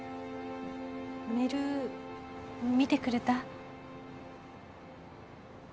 メール見てくれた？